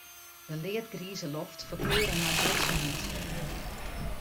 De leadgrize loft ferkleure nei brutsen wyt.